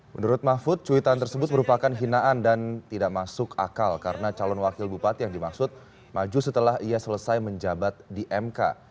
menurut mahfud cuitan tersebut merupakan hinaan dan tidak masuk akal karena calon wakil bupati yang dimaksud maju setelah ia selesai menjabat di mk